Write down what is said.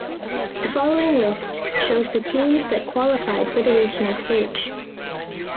The following list shows the teams that qualified for the Regional Stage.